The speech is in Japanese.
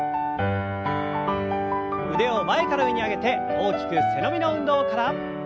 腕を前から上に上げて大きく背伸びの運動から。